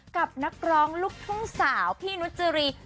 กับนักร้องลูกทุ่งสาวพี่นุจรี